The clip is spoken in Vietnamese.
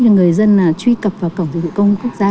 cho người dân truy cập vào cổng dịch vụ công quốc gia